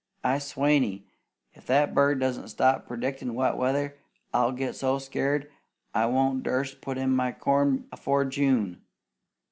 I swanny, if that bird doesn't stop predictin' wet weather, I'll get so scared I won't durst put in my corn afore June.